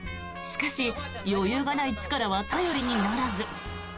しかし、余裕がないチカラは頼りにならず。